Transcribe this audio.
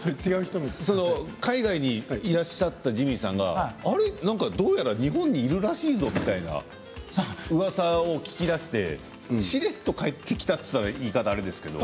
海外にいらっしゃったジミーさんがどうやら日本にいるらしいぞみたいなうわさを聞き出してしれっと帰ってきたといたら言い方はあれですけど。